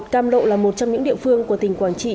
cam lộ là một trong những địa phương của tỉnh quảng trị